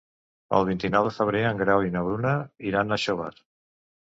El vint-i-nou de febrer en Grau i na Bruna iran a Xóvar.